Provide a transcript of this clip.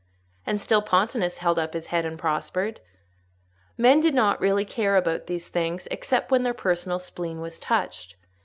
and still Pontanus held up his head and prospered. Men did not really care about these things, except when their personal spleen was touched.